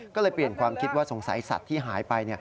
ก็เลยเปลี่ยนความคิดว่าสงสัยสัตว์ที่หายไป